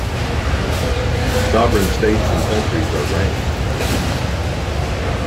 Sovereign states and countries are ranked.